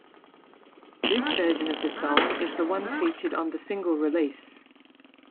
This version of the song is the one featured on the single release.